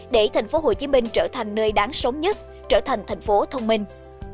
để thành phố hồ chí minh trở thành nơi đáng sống nhất trở thành thành phố thông minh